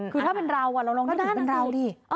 คือถ้าเป็นเราอ่ะเราลองดูดิ